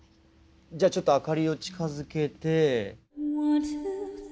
じゃあちょっと明かりを近づけて。